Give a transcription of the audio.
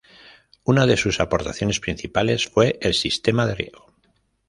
Una de sus aportaciones principales fue el sistema de riego.